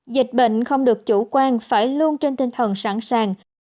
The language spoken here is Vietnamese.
dịch bệnh không được chủ quan phải luôn trên tinh thần sẵn sàng